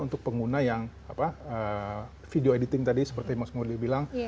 untuk pengguna yang video editing tadi seperti mas murdi bilang